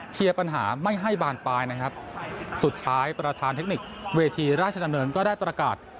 ปัญหาไม่ให้บานปลายนะครับสุดท้ายประธานเทคนิคเวทีราชดำเนินก็ได้ประกาศ